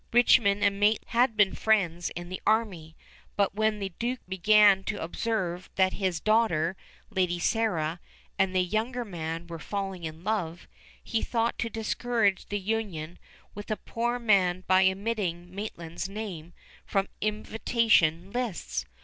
Richmond and Maitland had been friends in the army, but when the duke began to observe that his daughter, Lady Sarah, and the younger man were falling in love, he thought to discourage the union with a poor man by omitting Maitland's name from invitation lists.